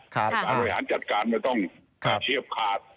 บริหารจัดการไม่ต้องเชียบขาด